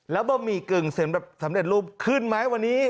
แล้วบะหมี่กึ่งเสร็จลูกขึ้นไหมวันนี้